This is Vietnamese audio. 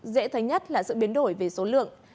dễ thấy nhất là sự biến đổi về số lượng